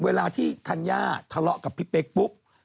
เวลาที่ธัญญาทะเลาะกับพี่เป๊กปุ๊บ